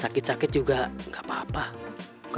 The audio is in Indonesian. jadi tetap kelihatan manis